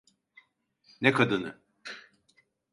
Ne kadını?